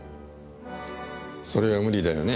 それは無理だよね。